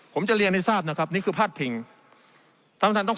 ผมจะเรียนให้ทราบนะครับนี้ภาษ์พิง